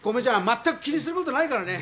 全く気にすることないからね。